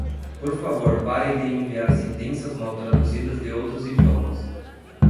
Por favor parem de enviar sentenças mal traduzidas de outros idiomas